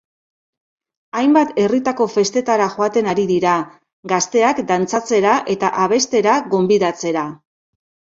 Hainbat herritako festetara joaten ari dira, gazteak dantzatzera eta abestera gonbidatzera.